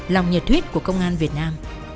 lòng nhật huyết của công an việt nam